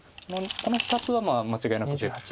この２つは間違いなく絶対。